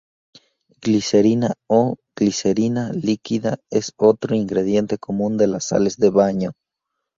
Glicerina, o glicerina líquida, es otro ingrediente común de las sales de baño.